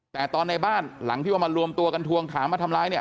แต่ตอนในบ้านหลังที่ว่ามารวมตัวกันทวงถามมาทำร้ายเนี่ย